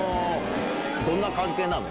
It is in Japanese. どんな関係なの？